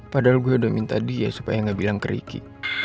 padahal gue udah minta dia supaya gak bilang ke ricky